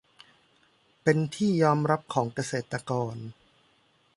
เป็นที่ยอมรับของเกษตรกร